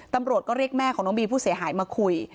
ตำรวจก็เรียกแม่ของน้องบีผู้เสียหายมาคุย